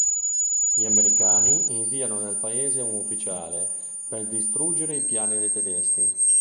Gli americani inviano nel paese un ufficiale per distruggere i piani dei tedeschi.